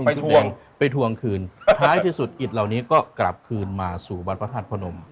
ทวงไปทวงคืนท้ายที่สุดอิตเหล่านี้ก็กลับคืนมาสู่วัดพระธาตุพนม